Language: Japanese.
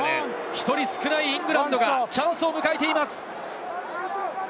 １人少ないイングランドがチャンスを迎えています。